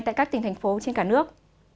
tại các tỉnh thành phố trên cả nước